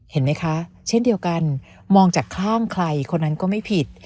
เห็นไหมคะเช่นเดียวกันมองจากข้างใครคนนั้นก็ไม่ผิด